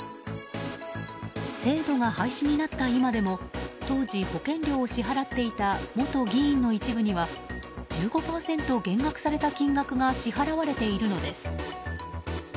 制度が廃止になった今でも当時、保険料を支払っていた元議員の一部には１５％減額された金額が支払われるのです。